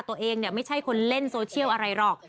ตัวเองไม่ใช่คนเล่นโซเชียลอะไรหรอก